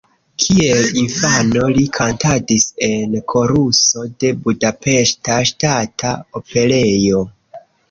Kiel infano, li kantadis en koruso de Budapeŝta Ŝtata Operejo.